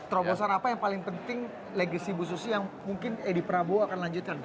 terobosan apa yang paling penting legasi bu susi yang mungkin edi prabowo akan lanjutkan